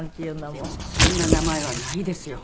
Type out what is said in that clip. でもこんな名前はないですよ